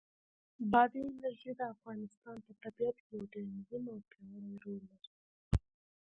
بادي انرژي د افغانستان په طبیعت کې یو ډېر مهم او پیاوړی رول لري.